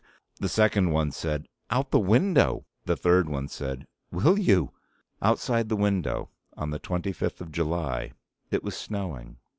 The second one said, "Out the window!" The third one said, "Will you!" Outside the window on the twenty fifth of July it was snowing.